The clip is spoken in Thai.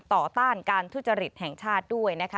ต้านการทุจริตแห่งชาติด้วยนะคะ